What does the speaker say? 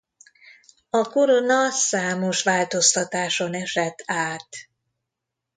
A korona számos változtatáson esett át.